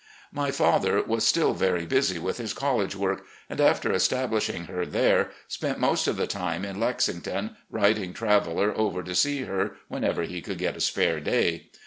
My father was still very busy with his college work, and, after establishing her there, spent most of the time in Lexington, riding Traveller over to see her whenever he could get a spare day.